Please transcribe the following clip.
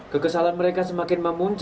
kekesalan mereka semakin memuncak